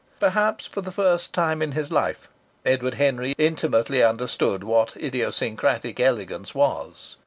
Perhaps for the first time in his life Edward Henry intimately understood what idiosyncratic elegance was.